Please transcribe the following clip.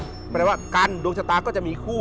หมายว่ากันดวงชะตาก็จะมีคู่